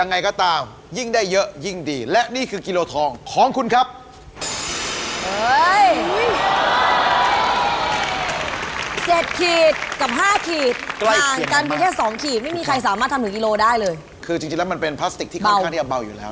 ในรอบนี้ตักกิโลทองให้ได้เยอะที่สุด